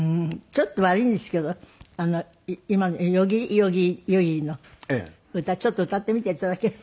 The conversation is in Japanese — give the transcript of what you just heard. ちょっと悪いんですけど今の『夜霧』『夜霧』の歌ちょっと歌ってみていただける？